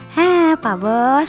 hah pak bos